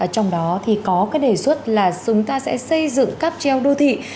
trong đó thì có cái đề xuất là chúng ta sẽ xây dựng cáp treo đô thị